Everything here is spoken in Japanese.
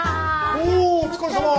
おお疲れさま。